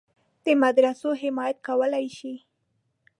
د مدرسو حمایت کولای شي.